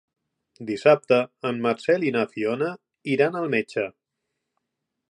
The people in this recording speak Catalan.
Dissabte en Marcel i na Fiona iran al metge.